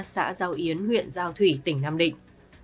xã giao yến huyện giao thủy tỉnh nam định